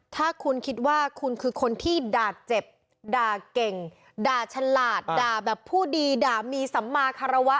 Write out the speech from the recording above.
ถ้าคุณคิดว่าคุณคือคนที่ด่าเจ็บด่าเก่งด่าฉลาดด่าแบบผู้ดีด่ามีสัมมาคารวะ